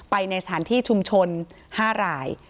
ในสถานที่ชุมชน๕ราย